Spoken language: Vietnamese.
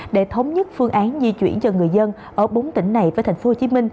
để thống nhất phương án di chuyển cho người dân ở bốn tỉnh này với tp hcm